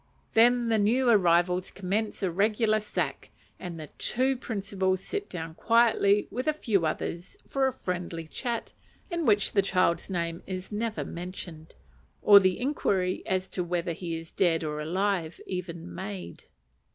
_" Then the new arrivals commence a regular sack, and the two principals sit down quietly with a few others for a friendly chat, in which the child's name is never mentioned, or the inquiry as to whether he is dead or alive even made.